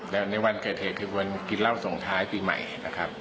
แล้วในวันเกิดเหตุคือวันกินเหล้าส่งท้ายปีใหม่นะครับ